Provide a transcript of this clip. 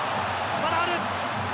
まだある。